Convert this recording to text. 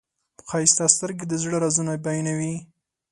ښایسته سترګې د زړه رازونه بیانوي.